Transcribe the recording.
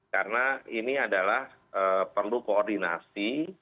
karena ini adalah perlu koordinasi